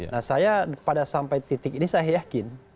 nah saya pada sampai titik ini saya yakin